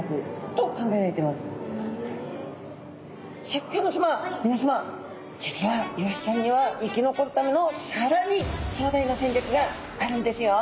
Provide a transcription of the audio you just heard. シャーク香音さまみなさま実はイワシちゃんには生き残るためのさらに壮大な戦略があるんですよ。